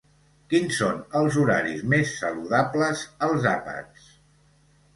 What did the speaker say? Quins són els horaris més saludables als àpats?